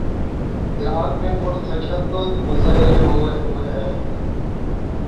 عراق میں پر تشدد مظاہرے ہوئے ہیں۔